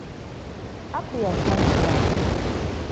Aku yasanyuka.